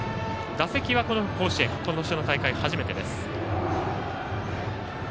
打席は、この甲子園この大会初めてです。